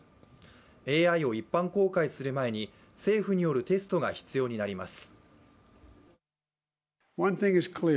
ＡＩを一般公開する前に政府によるテストが必要になります。